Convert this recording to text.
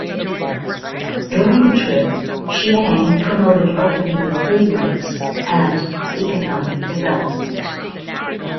During the trip, Chiang promoted opening the three links and economic development.